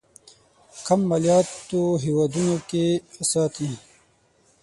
کم مالياتو هېوادونو کې ساتي.